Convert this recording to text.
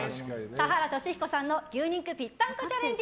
田原俊彦さんの牛肉ぴったんこチャレンジ